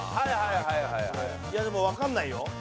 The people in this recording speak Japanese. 「いやでもわかんないよ」